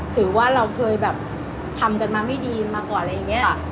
ถือว่าเราเคยแบบทำกันมาไม่ดีมากว่าอะไรอย่างนี้